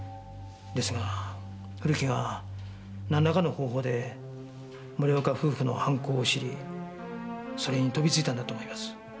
ですが古木がなんらかの方法で森岡夫婦の犯行を知りそれに飛びついたんだと思います。